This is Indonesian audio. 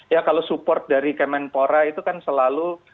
ya kalau support dari kemenpora itu kan selalu